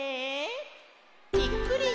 ぴっくり！